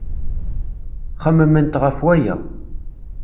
Xemmement ɣef waya.